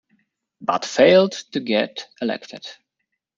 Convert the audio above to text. But failed to get elected.